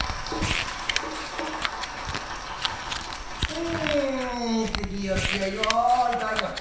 え一席おつきあいを頂きます。